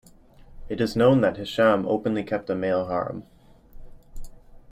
It is known that Hisham openly kept a male harem.